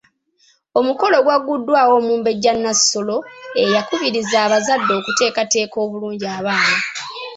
Omukolo gwagguddwawo Omumbejja Nassolo eyakubirizza abazadde okuteekateeka obulungi abaana.